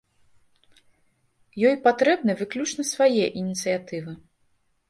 Ёй патрэбны выключна свае ініцыятывы.